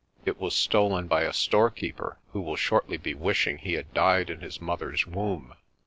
It was stolen by a storekeeper who will shortly be wishing he had died in his mother's womb."